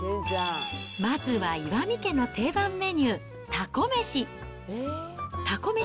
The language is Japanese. まずは岩見家の定番メニュー、タコ飯。